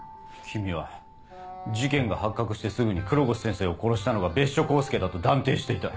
君は事件が発覚してすぐに黒越先生を殺したのが別所幸介だと断定していた。